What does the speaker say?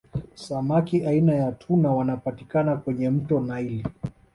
Samaki aina ya tuna wanapatikana kwenye mto naili